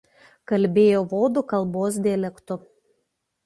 Kalbėjo vodų kalbos dialektu.